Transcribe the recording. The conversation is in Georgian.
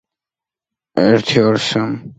ქალაქში არის უნივერსიტეტი.